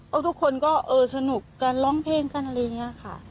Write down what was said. แล้วทุกคนก็เออสนุกกันร้องเพลงกันอะไรอย่างนี้ค่ะ